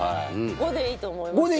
５でいいと思いますよ